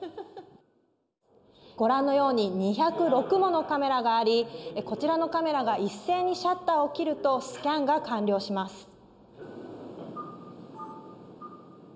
ご覧のように２０６ものカメラがありこちらのカメラが一斉にシャッターを切るとスキャンが完了します。